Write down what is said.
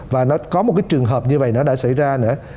và nó có một cái trường hợp như vậy nó đã xảy ra nữa